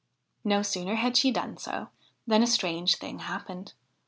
No sooner had she done so than a strange thing happened.